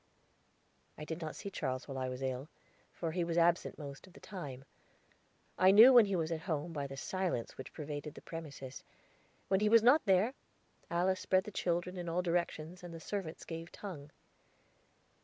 I did not see Charles while I was ill, for he was absent most of the time. I knew when he was at home by the silence which pervaded the premises. When he was not there, Alice spread the children in all directions, and the servants gave tongue.